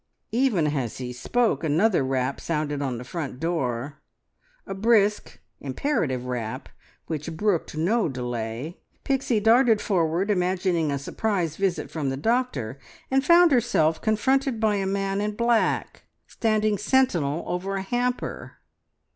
Even as he spoke another rap sounded on the front door a brisk, imperative rap which brooked no delay. Pixie darted forward, imagining a surprise visit from the doctor, and found herself confronted by a man in black, standing sentinel over a hamper.